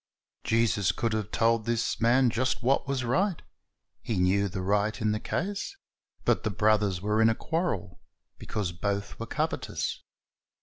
Jesus could have told this man just what was right. He knew the right in the case; but the brothers were in a quarrel because both were covetous.